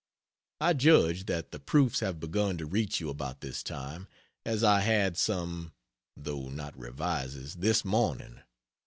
I judge that the proofs have begun to reach you about this time, as I had some (though not revises,) this morning.